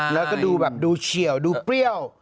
แล้วก็ดูแบบดูเฉียวดูเปรี้ยว